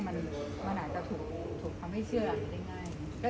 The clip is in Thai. มันอาจจะถูกทำให้เชื่ออะไรได้ง่าย